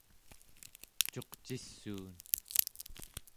cuqcissuun